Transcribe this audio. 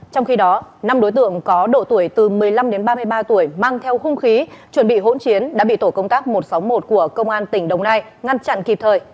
trong khi đó năm đối tượng có độ tuổi từ một mươi năm đến ba mươi ba tuổi mang theo hung khí chuẩn bị hỗn chiến đã bị tổ công tác một trăm sáu mươi một của công an tỉnh đồng nai ngăn chặn kịp thời